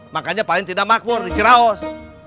makanya paling tidak makmur diceraos